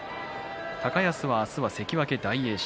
高安は明日は関脇大栄翔。